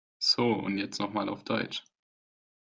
So und jetzt noch mal auf Deutsch.